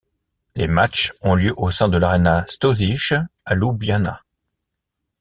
Les matches ont lieu au sein de l'Arena Stožice à Ljubljana.